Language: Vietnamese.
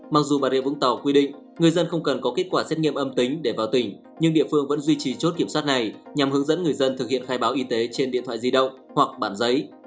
mặc dù bà rịa vũng tàu quy định người dân không cần có kết quả xét nghiệm âm tính để vào tỉnh nhưng địa phương vẫn duy trì chốt kiểm soát này nhằm hướng dẫn người dân thực hiện khai báo y tế trên điện thoại di động hoặc bản giấy